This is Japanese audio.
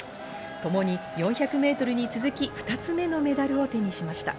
ともに４００ｍに続き２つ目のメダルを手にしました。